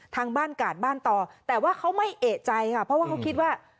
ทางบ้านกาดบ้านต่อแต่ว่าเขาไม่เอกใจค่ะเพราะว่าเขาคิดว่า